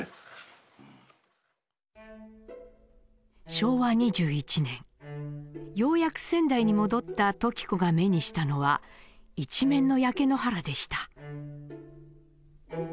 昭和２１年ようやく仙台に戻った時子が目にしたのは一面の焼け野原でした。